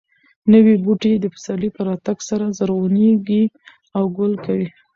نوي بوټي د پسرلي په راتګ سره زرغونېږي او ګل کوي.